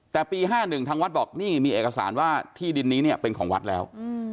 แต่ปี๕๑ทางวัดบอกนี่มีเอกสารว่าที่ดินนี้เนี่ยเป็นของวัดแล้ว